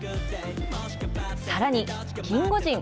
さらに、キンゴジン。